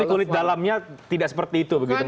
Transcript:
tapi kulit dalamnya tidak seperti itu begitu